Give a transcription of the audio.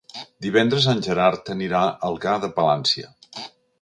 Divendres en Gerard anirà a Algar de Palància.